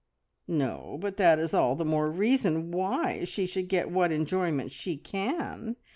"No, but that is all the more reason why she should get what enjoyment she can.